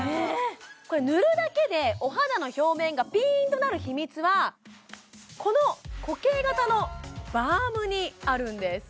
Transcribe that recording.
これ塗るだけでお肌の表面がピーンとなる秘密はこの固形型のバームにあるんです